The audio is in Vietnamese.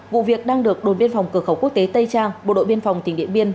vụ việc đang được đồn biên phòng cửa khẩu quốc tế tây trang bộ đội biên phòng tỉnh điện biên